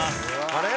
「あれ？